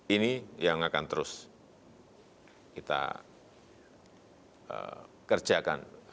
ini yang akan terus kita kerjakan